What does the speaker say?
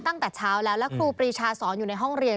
ตั้งแต่เช้าแล้วแล้วครูปรีชาสอนอยู่ในห้องเรียน